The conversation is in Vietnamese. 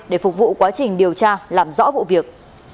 để phục vụ quá trình điều tra làm rõ vụ việc